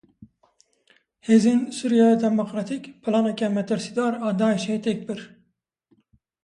Hêzên Sûriya Demokratîk planeke metirsîdar a Daişê têk bir.